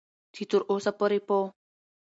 چې تر اوسه پورې په